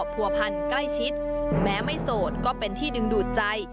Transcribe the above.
ผัวพันธ์ใกล้ชิดแม้ไม่โสดก็เป็นที่ดึงดูดใจ